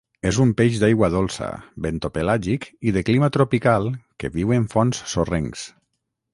És un peix d'aigua dolça, bentopelàgic i de clima tropical que viu en fons sorrencs.